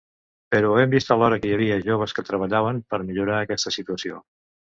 Però hem vist alhora que hi havia joves que treballaven per millorar aquesta situació.